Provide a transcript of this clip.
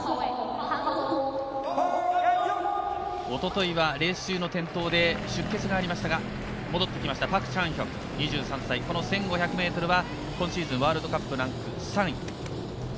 おとといはレース中の転倒で出血がありましたが戻ってきましたパク・チャンヒョク２３歳、１５００ｍは今シーズンワールドカップランキング３位。